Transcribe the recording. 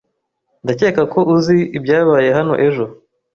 Ndakeka ko uzi ibyabaye hano ejo